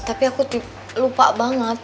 tapi aku lupa banget